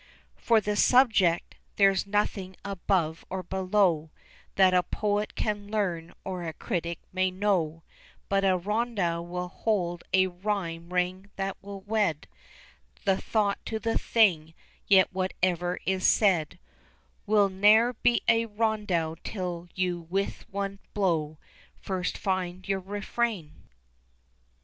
For the subject there's nothing above or below, That a poet can learn or a critic may know, But a rondeau will hold a rhyme ring that will wed The thought to the thing; yet whatever is said Will ne'er be a rondeau till you with one blow First find your refrain.